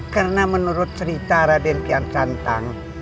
karena menurut cerita raden kian santan